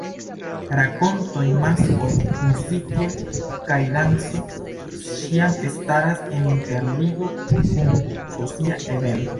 Rakontoj, maskoj, muziko kaj danco ĉiam staras en interligo kun socia evento.